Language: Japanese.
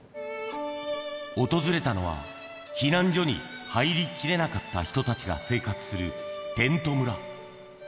訪れたのは、避難所に入りきれなかった人たちが生活するテント村。